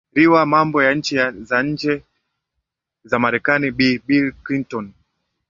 ri wa mambo ya nchi za nje za marekani bi bill clinton